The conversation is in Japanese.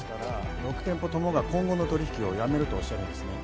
６店舗ともが今後の取引をやめるとおっしゃるんですね。